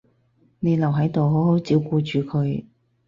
你留喺度好好照顧住佢